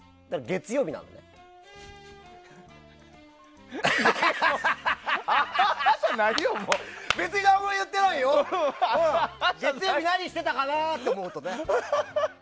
月曜日、何してたかなと思うとね。